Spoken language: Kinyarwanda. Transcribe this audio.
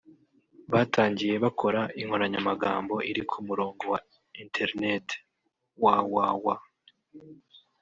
Batangiye bakora inkoranyamagambo iri ku murongo wa ‘internet’ (www